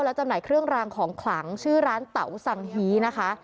และจำหน่ายเครื่องรางของขลังชื่อร้านเต๋าสังฮีนะคะ